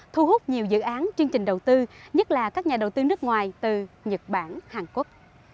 thu hút nhiều dự án chương trình đầu tư nhất là các nhà đầu tư nước ngoài từ nhật bản hàn quốc